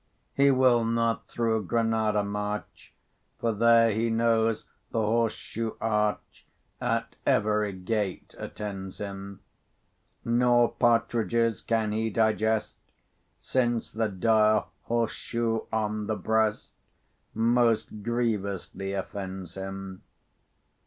He will not through Gran[=a]da march, For there he knows the horse shoe arch At every gate attends him. Nor partridges can he digest, Since the dire horse shoe on the breast Most grievously offends him.